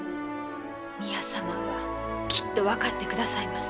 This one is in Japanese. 宮様はきっと分かってくださいます。